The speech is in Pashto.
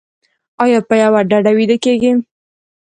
ایا په یوه ډډه ویده کیږئ؟